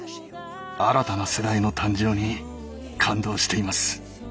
新たな世代の誕生に感動しています。